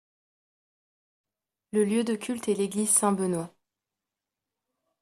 Le lieu de culte est l'église Saint-Benoît.